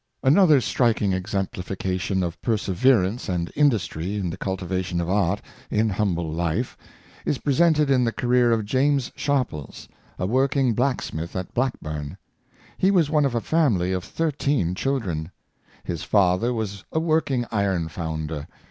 Another striking exemplification of perseverance and industry in the cultivation of art in humble life is pre sented in the career of James Sharpies, a working blacksmith at Blackburn. He was one of a family of thirteen children. His father was a working iron founder.